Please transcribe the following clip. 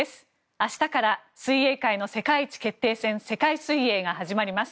明日から水泳界の世界一決定戦世界水泳が始まります。